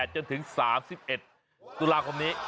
จนถึง๓๑ตุลาคมนี้